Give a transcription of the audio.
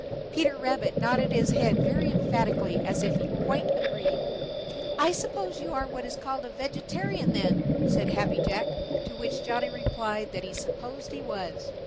Peter Rabbit nodded his head very emphatically as if he quite agreed. "I suppose you are what is called a vegetarian, then," said Happy Jack, to which Johnny Chuck replied that he supposed he was.